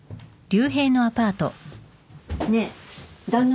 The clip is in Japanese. ねえ旦那